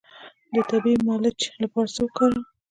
د طبیعي ملچ لپاره څه وکاروم؟